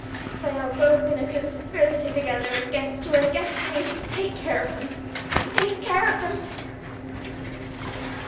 They are both in a conspiracy together against you and against me. Take care of them! take care of them!'